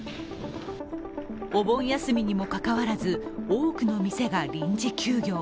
お盆休みにもかかわらず、多くの店が臨時休業。